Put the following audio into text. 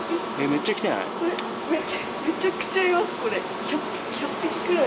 めちゃくちゃいますこれ。